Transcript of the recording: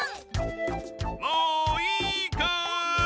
もういいかい？